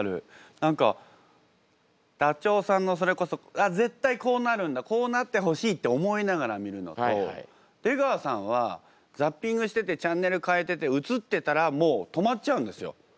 何かダチョウさんのそれこそ絶対こうなるんだこうなってほしいって思いながら見るのと出川さんはザッピングしててチャンネル変えてて映ってたらもう止まっちゃうんですよ。